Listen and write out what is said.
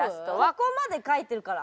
ここまで書いてるから。